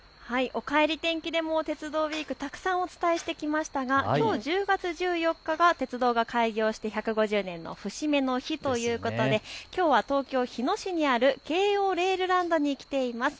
おかえり天気でも鉄道ウイーク、たくさんお伝えしてきましたが、きょう１０月１４日が鉄道が開業して１５０年の節目の日ということできょうは東京日野市にある京王れーるランドに来ています。